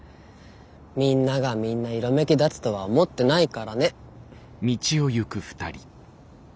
みんながみんな色めき立つとは思ってないからね。